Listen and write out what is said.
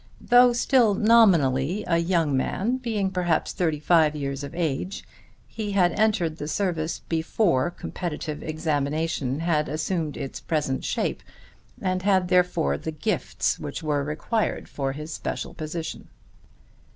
Though still nominally a young man, being perhaps thirty five years of age he had entered the service before competitive examination had assumed its present shape and had therefore the gifts which were required for his special position.